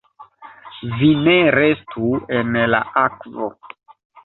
"Vi ne restu en la akvo!"